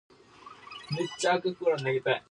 He also edited the poems of Carl Rakosi and John Rodker.